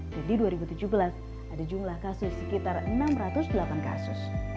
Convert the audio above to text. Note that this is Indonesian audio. jadi di dua ribu tujuh belas ada jumlah kasus sekitar enam ratus delapan kasus